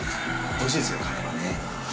おいしいですよかれいはね。